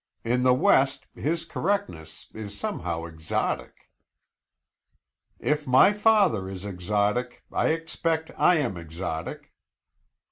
In the West, his correctness is somehow exotic." "If my father is exotic, I expect I am exotic."